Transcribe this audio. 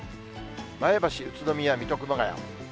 前橋、宇都宮、水戸、熊谷。